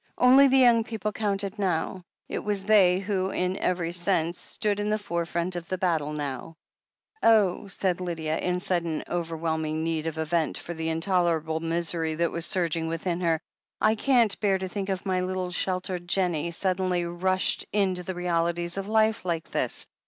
Only the young people counted npw. It was they who, in every sense, stood in the forefront of the battle now. "Oh," said Lydia, in sudden, overwheUning need of a vent for the intolerable misery that was surging within her, "I can't bear to think of my little, sheltered Jennie suddenly rushed into the realities of life like this.